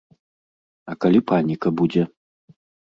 А калі паніка будзе?